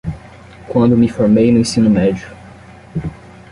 Quando me formei no ensino médio